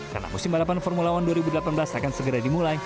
karena musim balapan formula one dua ribu delapan belas akan segera dimulai